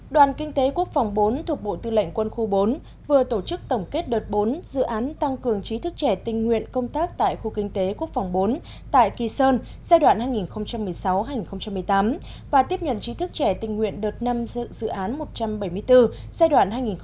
đoàn kinh tế quốc phòng bốn thuộc bộ tư lệnh quân khu bốn vừa tổ chức tổng kết đợt bốn dự án tăng cường trí thức trẻ tình nguyện công tác tại khu kinh tế quốc phòng bốn tại kỳ sơn giai đoạn hai nghìn một mươi sáu hai nghìn một mươi tám và tiếp nhận trí thức trẻ tình nguyện đợt năm dự dự án một trăm bảy mươi bốn giai đoạn hai nghìn một mươi sáu hai nghìn một mươi tám